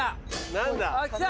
何だ。